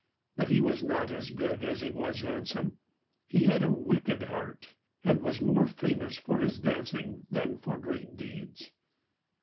But he was not as good as he was handsome he had a wicked heart, and was more famous for his dancing than for great deeds.